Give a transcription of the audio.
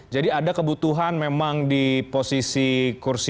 jadi ada kebutuhan memang di posisi kursi